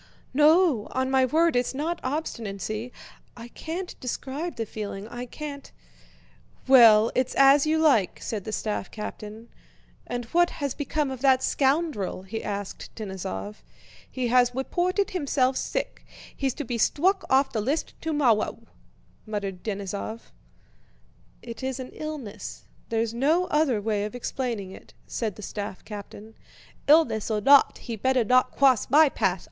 "No, on my word it's not obstinacy! I can't describe the feeling. I can't..." "Well, it's as you like," said the staff captain. "And what has become of that scoundrel?" he asked Denísov. "He has weported himself sick, he's to be stwuck off the list tomowwow," muttered Denísov. "It is an illness, there's no other way of explaining it," said the staff captain. "Illness or not, he'd better not cwoss my path.